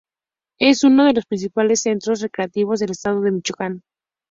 Es uno de los principales centros recreativos del estado de Michoacán.